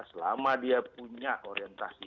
selama dia punya orientasi